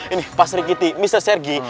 ini pak serikiti mr sergi